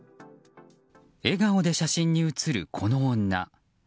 笑顔で写真に写るこの女。